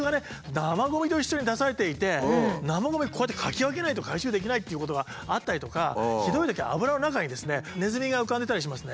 生ゴミと一緒に出されていて生ゴミをこうやってかき分けないと回収できないということがあったりとかひどいときは油の中にネズミが浮かんでたりしますね。